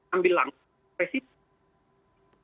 ambil langkah presiden